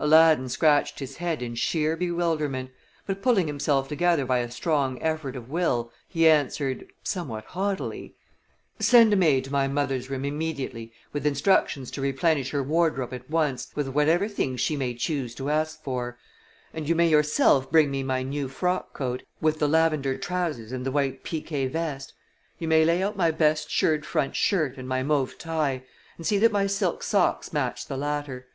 Aladdin scratched his head in sheer bewilderment, but, pulling himself together by a strong effort of will, he answered, somewhat haughtily: "Send a maid to my mother's room immediately with instructions to replenish her wardrobe at once with whatever things she may choose to ask for, and you may yourself bring me my new frock coat, with the lavender trousers and the white piqué vest. You may lay out my best shirred front shirt and my mauve tie, and see that my silk socks match the latter.